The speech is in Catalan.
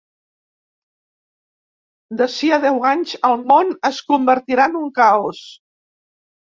D'ací a deu anys, el món es convertirà en un caos.